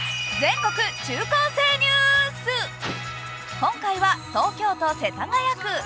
今回は東京都世田谷区。